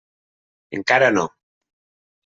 Encara no.